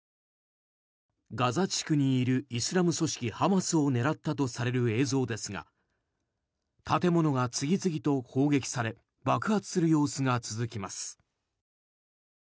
ガザ地区にいるイスラム組織ハマスを狙ったとされる映像ですが建物が次々と攻撃され爆発する様子が続きます。